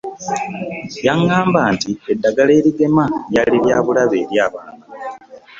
Yagamba nti eddagala erigema lyali lya bulabe eri abaana